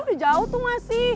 udah jauh tuh masih